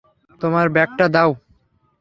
তোমার ব্যাগটা দাও।